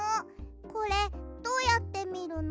これどうやってみるの？